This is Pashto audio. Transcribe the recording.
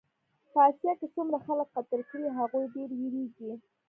په اسیا کې څومره خلک قتل کړې هغوی ډېر وېرېږي.